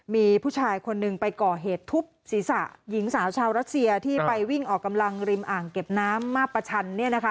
มีผู้ชายคนหนึ่งไปก่อเหตุทุบศีรษะหญิงสาวชาวรัสเซียที่ไปวิ่งออกกำลังริมอ่างเก็บน้ำมาประชัน